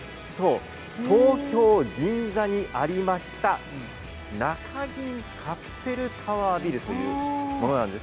東京・銀座にありました中銀カプセルタワービルというものなんです。